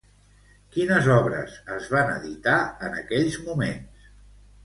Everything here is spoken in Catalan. Quines obres es van editar en aquells moments?